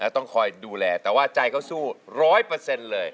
ต้องคอยดูแลแต่ว่าใจเขาสู้ร้อยเปอร์เซ็นต์เลย